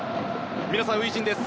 皆さん、初陣です。